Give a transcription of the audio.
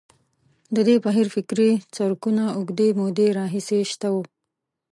د دې بهیر فکري څرکونه اوږدې مودې راهیسې شته وو.